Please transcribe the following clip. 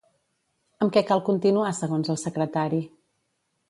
Amb què cal continuar segons el secretari?